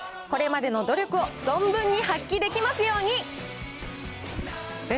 これまでの努力を存分に発揮できますように。